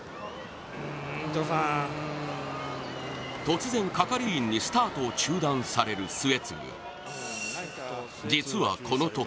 突然、係員にスタートを中断される末續。